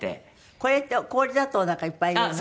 これって氷砂糖なんかいっぱい入れるの？